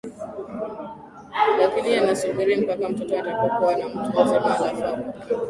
lakini yanasubiri mpaka mtoto atakapokuwa mtu mzima halafu apokee